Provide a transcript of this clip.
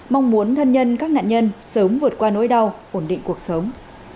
mong muốn thân nhân các nạn nhân sớm vượt qua nỗi đau ổn định cuộc sống